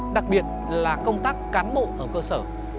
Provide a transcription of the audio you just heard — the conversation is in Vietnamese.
đặc biệt là công tác cán bộ ở cơ sở